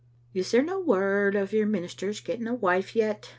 "Is there no word of your minister's getting a wife yet?"